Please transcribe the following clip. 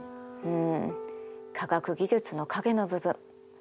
うん科学技術の影の部分。